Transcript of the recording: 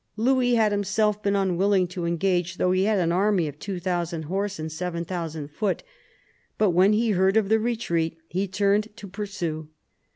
Louis had himself been unwilling to engage, though he had an army of 2000 horse and 7000 foot, but when he heard of the retreat he turned to pursue.